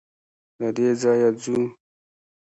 له دې ځايه ځو.